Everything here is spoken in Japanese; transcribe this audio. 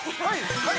はい！